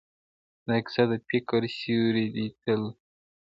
دا کيسه د فکر سيوری دی تل,